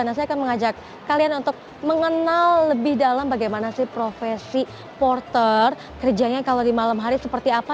nah saya akan mengajak kalian untuk mengenal lebih dalam bagaimana sih profesi porter kerjanya kalau di malam hari seperti apa